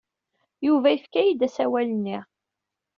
Yuba yefka-iyi-d asawal-nni.